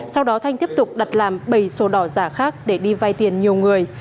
sau đó thanh tiếp tục đặt làm bảy sổ đỏ giả khác để đi vay tiền nhiều người